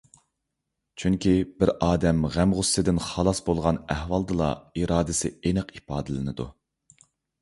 چۈنكى، بىر ئادەم غەم ـ غۇسسىدىن خالاس بولغان ئەھۋالدىلا ئىرادىسى ئېنىق ئىپادىلىنىدۇ.